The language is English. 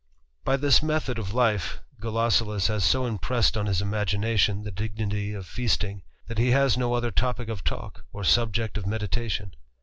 By this method of life Gulosulus has so impressed on his aagination the dignity of feasting, that he has no other >pick of talk, or subject of meditation.